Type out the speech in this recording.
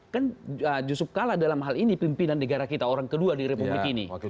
kan yusuf kala dalam hal ini pimpinan negara kita orang kedua di republik ini